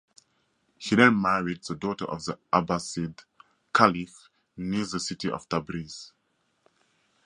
He then married the daughter of the Abbasid Caliph near the city of Tabriz.